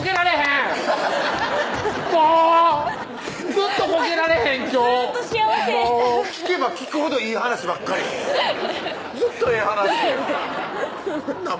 ずっとこけられへん今日ずっと幸せ聞けば聞くほどいい話ばっかりずっとええ話何なん？